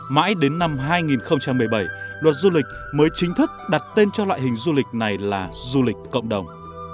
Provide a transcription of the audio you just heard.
mãi đến năm hai nghìn một mươi bảy luật du lịch mới chính thức đặt tên cho loại hình du lịch này là du lịch cộng đồng